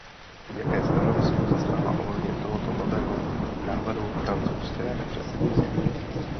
Jaké stanovisko zastává ohledně tohoto nového návrhu francouzské předsednictví?